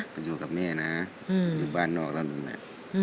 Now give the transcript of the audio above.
ไปอยู่กับแม่นะอยู่บ้านนอกแล้วดูแล